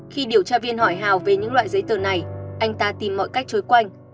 khi điều tra viên hỏi hào về những loại giấy tờ này anh ta tìm mọi cách trốn quanh